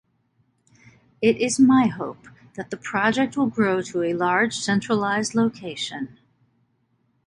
It is my hope that the project will grow to a large centralized location